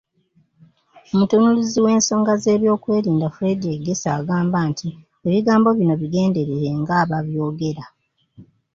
Omutunuulizi w'ensonga z'ebyokwerinda, Fred Egesa, agamba nti ebigambo bino bigenderere ng'ababyogera.